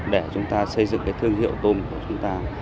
để chúng ta xây dựng cái thương hiệu tôm của chúng ta